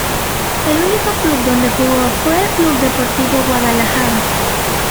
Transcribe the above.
El único club donde jugó fue el Club Deportivo Guadalajara.